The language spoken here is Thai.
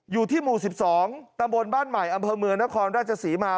อยู่ที่หมู่๑๒ตำบลบ้านใหม่อำเภอเมืองนครราชศรีมา